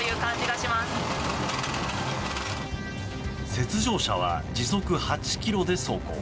雪上車は時速８キロで走行。